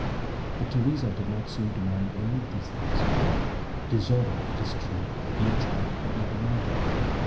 But Theresa did not seem to mind any of these things. Disorder, it is true, the dear child had never minded.